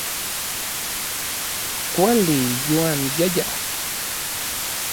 Kuali yoanyayaj.